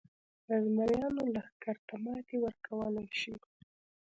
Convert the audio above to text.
د زمریانو لښکر ته ماتې ورکولای شي.